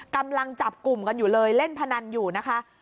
กำลังจับกลุ่มกันอยู่เลยเล่นพนันอยู่นะคะ